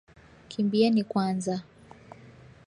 Kimbieni kwanza.